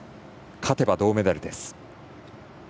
勝てば銅メダルです。